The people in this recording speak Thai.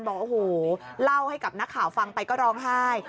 บอกโอ้โหเล่าให้กับนักข่าวฟังไปก็ร้องไห้